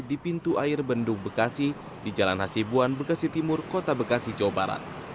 di pintu air bendung bekasi di jalan hasibuan bekasi timur kota bekasi jawa barat